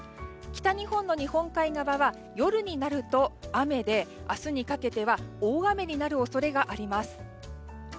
北日本の日本海側は夜になると雨で明日にかけては大雨になる恐れがあります。